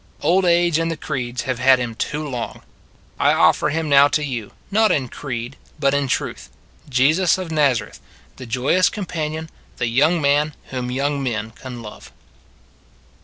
Old age and the creeds have had Him too long: I offer Him now to you not in creed but in truth Jesus of Nazareth, the joyous companion, the young man whom young men can love.